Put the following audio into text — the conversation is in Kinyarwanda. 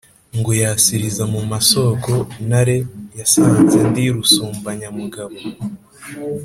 ngoga yasiliza mu masoko, ntare yasanze ndi rusumbanyamugabo